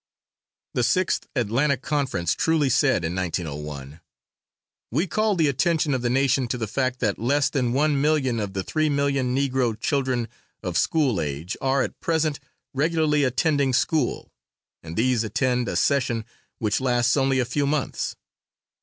The Sixth Atlanta Conference truly said in 1901: "We call the attention of the Nation to the fact that less than one million of the three million Negro children of school age, are at present regularly attending school, and these attend a session which lasts only a few months.